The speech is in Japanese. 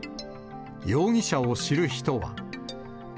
容疑者を知る人は。